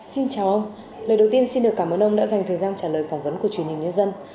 xin chào ông lời đầu tiên xin được cảm ơn ông đã dành thời gian trả lời phỏng vấn của truyền hình nhân dân